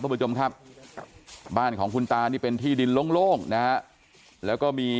ผู้ชมครับบ้านของคุณตานี่เป็นที่ดินโล่งนะฮะแล้วก็มี